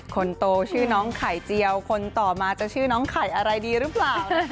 คนโตชื่อน้องไข่เจียวคนต่อมาจะชื่อน้องไข่อะไรดีหรือเปล่า